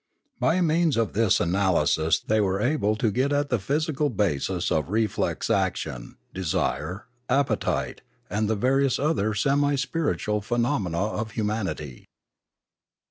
By means of this analysis they were able to get at the physical basis of reflex action, desire, appetite, and the various other semi spiritual phenomena of humanity.